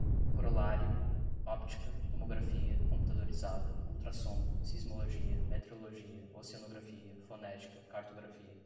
corolário, óptica, tomografia computadorizada, ultrassom, sismologia, meteorologia, oceanografia, fonética, cartografia